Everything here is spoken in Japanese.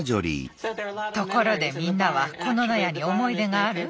ところでみんなはこの納屋に思い出がある？